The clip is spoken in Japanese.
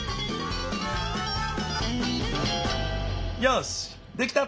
よしできた！